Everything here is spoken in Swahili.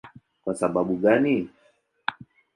Kwa sababu gani?